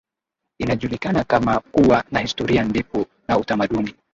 inajulikana kama kuwa na historia ndefu na utamaduni